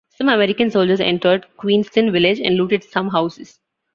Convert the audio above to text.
Some American soldiers entered Queenston village and looted some houses.